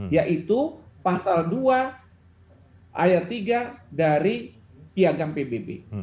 yaitu pasal dua ayat tiga dari piagam pbb